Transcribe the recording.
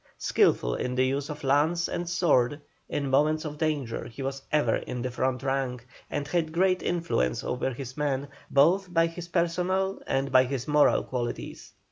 Skilful in the use of lance and sword, in moments of danger he was ever in the front rank, and had great influence over his men, both by his personal and by his moral qualities.